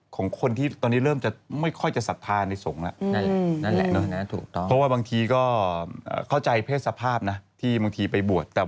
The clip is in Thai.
ของคนที่ตอนนี้แล้วเริ่มไม่ค่อยทรัพย์ในสงและ